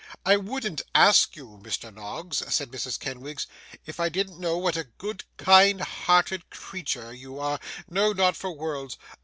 'I wouldn't ask you, Mr. Noggs,' said Mrs. Kenwigs, 'if I didn't know what a good, kind hearted creature you are; no, not for worlds.